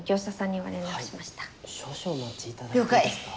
少々お待ち頂いていいですか？